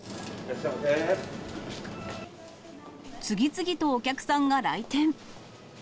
次々とお客さんが来店。